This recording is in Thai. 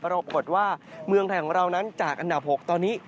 ปรากฏว่าเมืองไทยของเรานั้นจากอันดับ๖ตอนนี้